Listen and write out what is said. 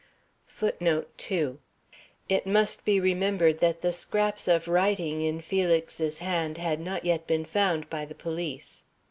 [Footnote 2: It must be remembered that the scraps of writing in Felix's hand had not yet been found by the police.